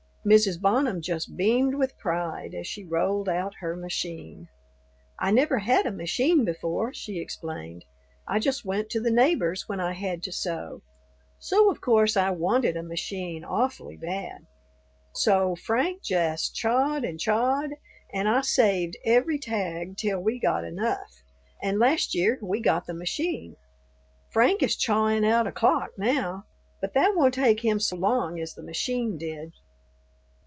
Mrs. Bonham just beamed with pride as she rolled out her machine. "I never had a machine before," she explained. "I just went to the neighbors' when I had to sew. So of course I wanted a machine awfully bad. So Frank jest chawed and chawed, and I saved every tag till we got enough, and last year we got the machine. Frank is chawin' out a clock now; but that won't take him so long as the machine did."